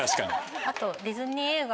あとディズニー映画。